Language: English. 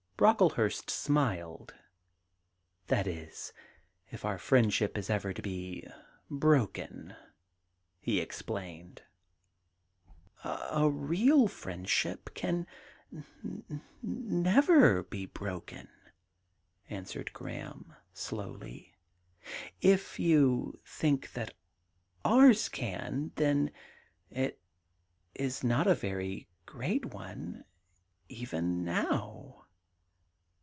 Brocklehurst smiled. * That is, if our friendship is ever to be broken,' he explained. 43 THE GARDEN GOD *A real friendship can never be broken,' answered Graham slowly. ' If you think that ours can, then it is not a very great one — even now.'